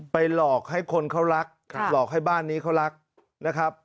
หลอกให้คนเขารักหลอกให้บ้านนี้เขารักนะครับ